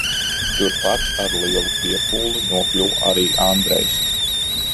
Turpat, ar lielu piepūli nokļuva arī Andrejs.